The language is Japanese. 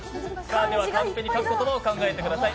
カンペに書く言葉を考えてください。